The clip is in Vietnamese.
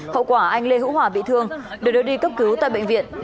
hậu quả anh lê hữu hòa bị thương được đưa đi cấp cứu tại bệnh viện